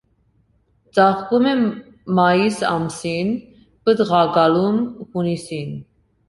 Ծաղկում է մայիս ամսին, պտղակալում՝ հունիսին։